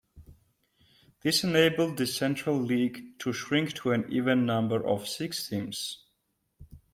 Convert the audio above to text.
This enabled the Central League to shrink to an even number of six teams.